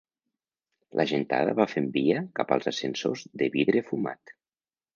La gentada va fent via cap als ascensors de vidre fumat.